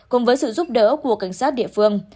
cùng với sự giúp đỡ của cảnh sát địa phương